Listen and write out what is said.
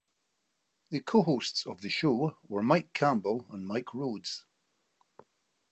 The co-hosts of the show were Mike Campbell and Mike Rhodes.